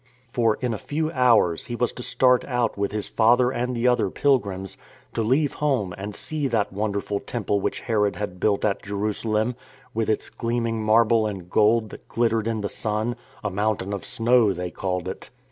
For in a few hours he was to start out with his father and the other pilgrims — to leave home, and see that wonderful Temple which Herod had built at Jerusalem, with its gleaming marble and gold that glittered in the sun —" A mountain of snow," they called it.